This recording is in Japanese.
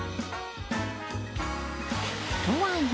とはいえ